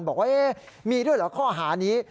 บอกว่ามีด้วยเหรอข้อหานี้